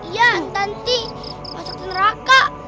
iya nanti masuk ke neraka